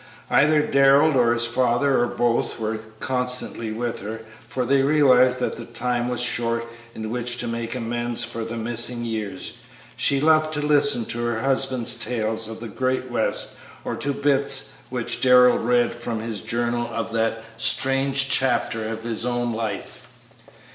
Either Darrell or his father, or both, were constantly with her, for they realized that the time was short in which to make amends for the missing years. She loved to listen to her husband's tales of the great West or to bits which Darrell read from his journal of that strange chapter of his own life.